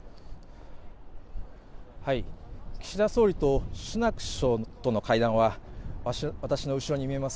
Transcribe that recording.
岸田総理とスナク首相との会談は私の後ろに見えます